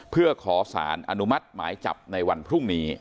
เพื่อขอสารอนุมัติหมายจับในวันพรุ่งนี้